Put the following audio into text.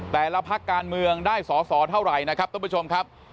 แต่ละพักการเมืองได้สอสอเท่าไหร่นะครับท่านผู้ชมครับ